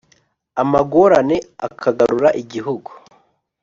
amagomerane akagarura igihugu